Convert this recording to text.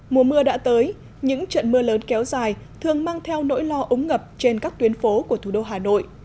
mùa mưa đã tới những trận mưa lớn kéo dài thường mang theo nỗi lo ống ngập trên các tuyến phố của thủ đô hà nội